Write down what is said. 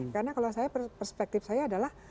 karena kalau saya perspektif saya adalah